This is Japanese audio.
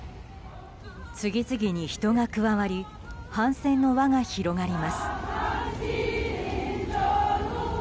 次々に人が加わり反戦の輪が広がります。